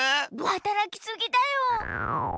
はたらきすぎだよ。